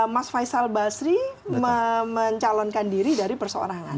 mas faisal basri mencalonkan diri dari perseorangan